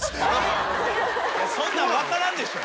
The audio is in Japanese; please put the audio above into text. そんなん分からんでしょ。